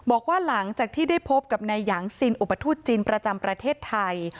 บอกว่าหลังจากที่ได้พบกับนายหยางซินอุปทูตจีนประจำประเทศไทย